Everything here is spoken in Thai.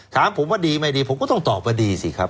ถามผมว่าดีไม่ดีผมก็ต้องตอบว่าดีสิครับ